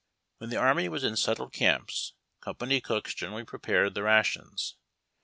When the army was in settled camp, company cooks gen erally pre[)ai'ed the rations.